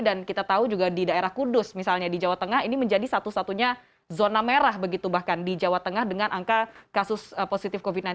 dan kita tahu juga di daerah kudus misalnya di jawa tengah ini menjadi satu satunya zona merah begitu bahkan di jawa tengah dengan angka kasus positif covid sembilan belas